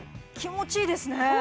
気持ちいいですね